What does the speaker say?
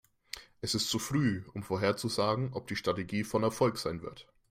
Es ist zu früh, um vorherzusagen, ob die Strategie von Erfolg sein wird.